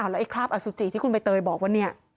แล้วไอ้คราบอสุจิที่คุณใบเตยบอกว่าเนี่ย